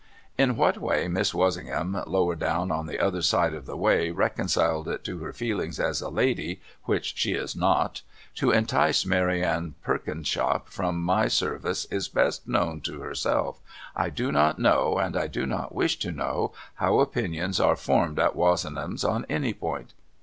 In what way Miss Wozenham lower down on the other side of the way reconciled it to her feelings as a lady (which she is not) to entice Mary Anne Perkinsop from my service is best known to herself, I do not know and I do not wish to know how opinions are formed at Wozenham's on any point.